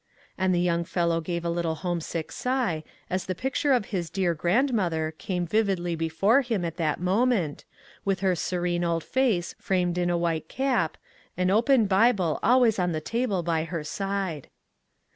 And the young fel low gave a little homesick sigh as the picture of his dear grandmother came vividly before him at that moment, with her serene old face framed in a white cap, an open Bible always on the table at her side.